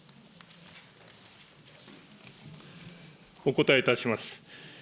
お答えいたします。